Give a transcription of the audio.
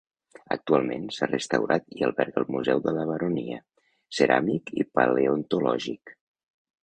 Actualment s'ha restaurat i alberga el Museu de la Baronia, Ceràmic i Paleontològic.